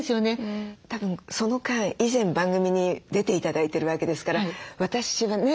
たぶんその間以前番組に出て頂いてるわけですから私はね